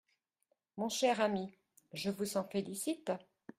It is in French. Mon cher ami, je vous en félicite…